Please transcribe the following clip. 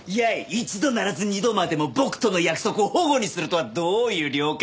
一度ならず二度までも僕との約束をほごにするとはどういう了見だ！？